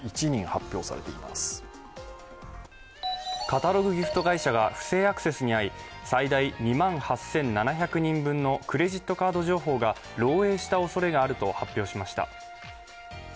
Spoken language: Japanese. カタログギフト会社が不正アクセスに遭い、最大２万８７００人分のクレジットカード情報が漏えいしたおそれがあると発表しました。